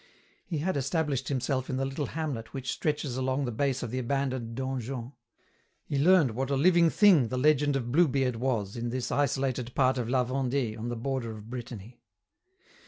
He had established himself in the little hamlet which stretches along the base of the abandoned donjon. He learned what a living thing the legend of Bluebeard was in this isolated part of La Vendée on the border of Brittany.